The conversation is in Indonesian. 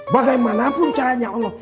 bagaimanapun caranya allah